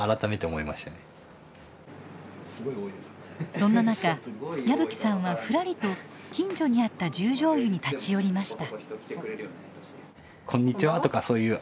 そんな中矢吹さんはふらりと近所にあった十條湯に立ち寄りました。